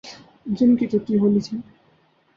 جن کی چھٹی ہونی تھی۔